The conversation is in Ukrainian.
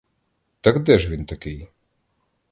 Так де ж він такий?